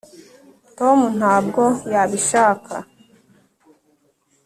tom ntabwo yabishaka. (